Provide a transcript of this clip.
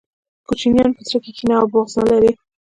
کوچنیان په زړه کي کینه او بغض نلري